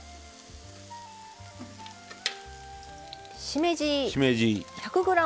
しめじ。